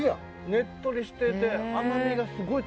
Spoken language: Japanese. ねっとりしてて甘みがすごい強いですね。